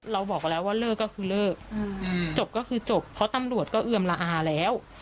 เราบอกแล้วว่าเลิกก็คือเลิกจบก็คือจบเพราะตำรวจก็เอือมละอาแล้ว